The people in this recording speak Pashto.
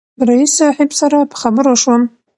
رئیس صاحب سره په خبرو شوم.